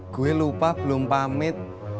gue lupa belum pamit